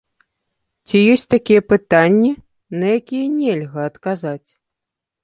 Ці ёсць такія пытанні, на якія нельга адказаць?